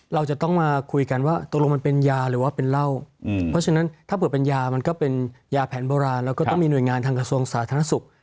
เราจะต้องมาคุยกันว่าตกลงมันเป็นยาหรือว่าเป็นเหล้าเพราะฉะนั้นถ้าเผื่อเป็นยามันก็เป็นยาแผนโบราณแล้วก็ต้องมีหน่วยงานทางกระทรวงสาธารณสุข